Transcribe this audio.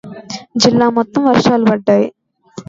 జిల్లా మొత్తం వర్షాలు పడ్డాయి.